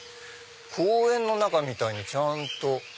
公園の中みたいにちゃんと。